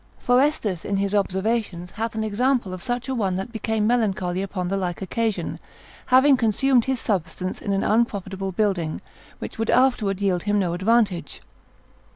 Forestus in his observations hath an example of such a one that became melancholy upon the like occasion, having consumed his substance in an unprofitable building, which would afterward yield him no advantage.